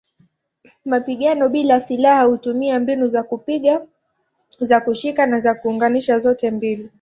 Mapigano bila silaha hutumia mbinu za kupiga, za kushika na za kuunganisha zote mbili.